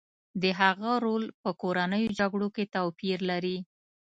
د هغه رول په کورنیو جګړو کې توپیر لري